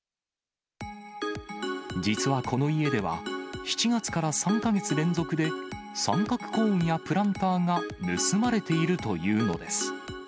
実はこの家では、７月から３か月連続で三角コーンやプランターが盗まれているというのです。